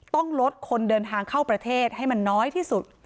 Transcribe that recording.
ต้องลดคนเดินทางเข้าประเทศให้มันน้อยที่สุด